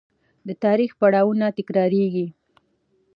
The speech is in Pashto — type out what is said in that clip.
د تاریخ پړاوونه تکرارېږي.